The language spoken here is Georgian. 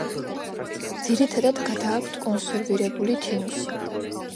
ძირითადად გადააქვთ კონსერვირებული თინუსი.